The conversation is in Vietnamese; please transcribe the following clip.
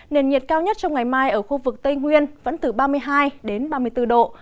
nền nhiệt cao nhất trong ngày mai ở khu vực tây nguyên vẫn từ ba mươi hai đến ba mươi bốn độ